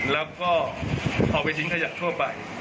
แล้วก็เอาไปทิ้งขยะทั่วไป